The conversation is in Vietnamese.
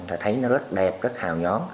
và thấy nó rất đẹp rất hào nhón